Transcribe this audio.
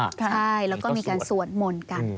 ใช่แล้วก็มีการสวดมนต์กัน